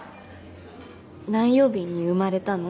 何曜日に生まれたの？